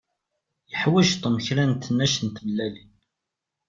Yuḥwaǧ Tom kra n tnac n tmellalin.